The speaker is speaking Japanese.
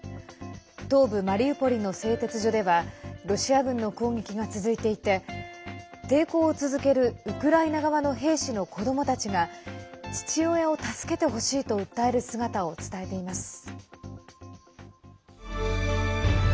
東部マリウポリの製鉄所ではロシア軍の攻撃が続いていて抵抗を続けるウクライナ側の兵士の子どもたちが父親を助けてほしいと訴える姿を伝えています。